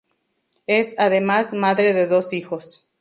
Es, además, madre de dos hijos.